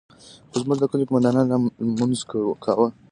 خو زموږ د کلي قومندان لا لمونځ کاوه.